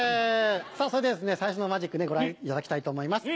それでは最初のマジックご覧いただきたいと思います。